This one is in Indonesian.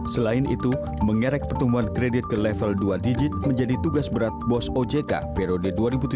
selain itu mengerek pertumbuhan kredit ke level dua digit menjadi tugas berat bos ojk periode dua ribu tujuh belas dua ribu dua